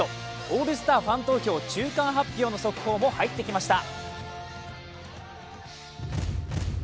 オールスターファン投票中間発表の速報も入ってきました。